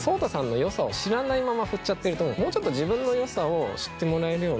もうちょっと自分の良さを知ってもらえるような。